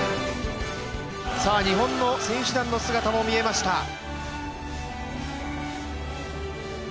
日本の選手団の姿も見えました。